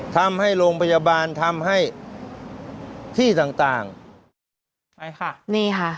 ทำให้โรงพยาบาลทำให้ที่ต่างต่างไปค่ะนี่ค่ะ